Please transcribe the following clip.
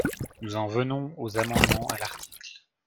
Nous en venons aux amendements à l’article.